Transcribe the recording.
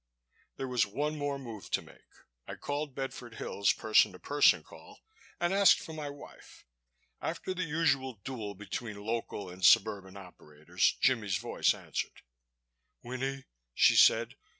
There was one more move to make. I called Bedford Hills, person to person call, and asked for my wife. After the usual duel between local and suburban operators, Jimmie's voice answered. "Winnie," she said.